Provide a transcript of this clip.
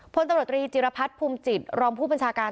พลตำรวจตรีจิรพัฒน์ภูมิจิตรองผู้บัญชาการ